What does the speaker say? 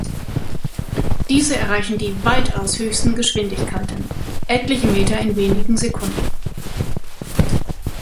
Diese erreichen die weitaus höchsten Geschwindigkeiten, etliche Meter in wenigen Sekunden.